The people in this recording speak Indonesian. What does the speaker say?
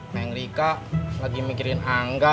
neng rika lagi mikirin angga ya